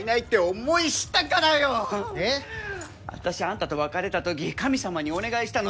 あたしあんたと別れたとき神様にお願いしたの。